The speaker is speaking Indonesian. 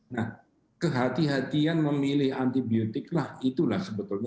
nah kehati hatian memilih antibiotik lah itulah sebetulnya